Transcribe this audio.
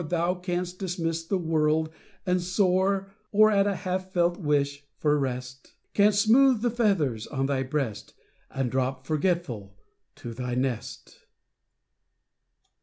Thou canst dismiss the world and soar, Or, at a half felt wish for rest. Canst smooth the feathers on thy breast, And drop, forgetful, to thy nest.